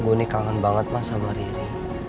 gue ini kangen banget mas sama riri